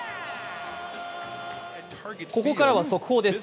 ここからは速報です。